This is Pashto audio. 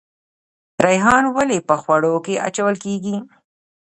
ریحان ولې په خوړو کې اچول کیږي؟